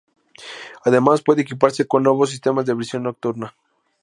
Además, puede equiparse con nuevos sistemas de visión nocturna.